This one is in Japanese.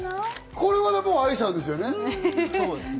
これは愛さんですよね。